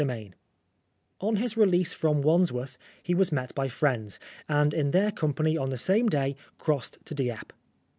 229 XX ON his release from Wandsworth, he was met by friends, and in their company on the same day crossed to Dieppe.